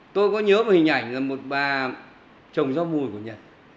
tôi có nhớ một hình ảnh là một bà trồng rau mùi của nhật